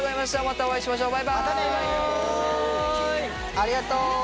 ありがとう！